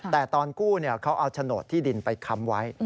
แต่ตอนกู้เขาเอาโฉนดที่ดินไปค้ำไว้